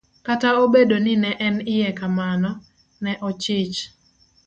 Kataobedo ni ne en iye kamano, ne ochich.